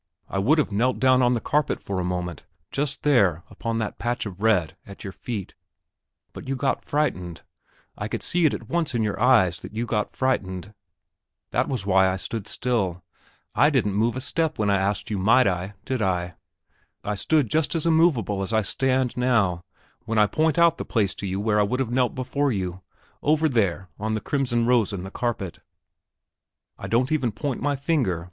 I would have knelt down on the carpet for a moment just there, upon that patch of red, at your feet; but you got frightened I could see it at once in your eyes that you got frightened; that was why I stood still. I didn't move a step when I asked you might I, did I? I stood just as immovable as I stand now when I point out the place to you where I would have knelt before you, over there on the crimson rose in the carpet. I don't even point with my finger.